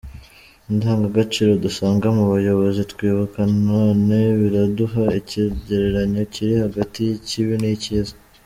Indangagaciro dusanga mu bayobozi twibuka none, biraduha ikigereranyo kiri hagati y'ikibi n'icyiza.